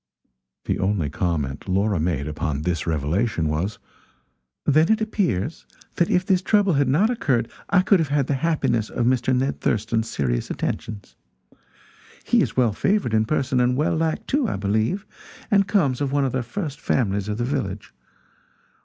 The only comment Laura made upon this revelation, was: "Then it appears that if this trouble had not occurred I could have had the happiness of Mr. Ned Thurston's serious attentions. He is well favored in person, and well liked, too, I believe, and comes of one of the first families of the village.